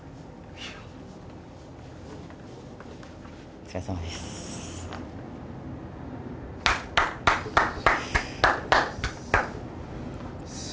お疲れさまです。